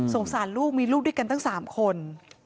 สงสารลูกมีลูกดีกันตั้งสามคน